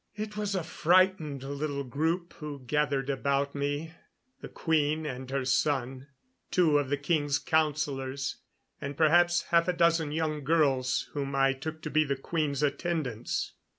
It was a frightened little group who gathered about me the queen and her son, two of the king's councilors, and perhaps half a dozen young girls whom I took to be the queen's attendants.